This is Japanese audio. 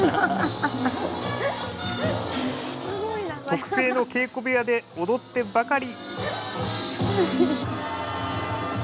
特製の稽古部屋で踊ってばかり。